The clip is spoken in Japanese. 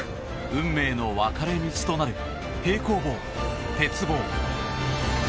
運命の分かれ道となる平行棒、鉄棒。